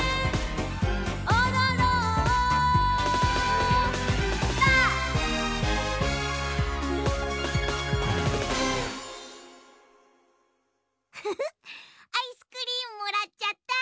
「おどろんぱ！」フフフッアイスクリームもらっちゃった！